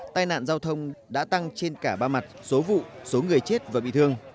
tai nạn giao thông đã tăng trên cả ba mặt số vụ số người chết và bị thương